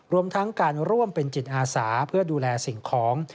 รวมทั้งการร่วมเป็นจิตอาสาเพื่อดูแลสิ่งของ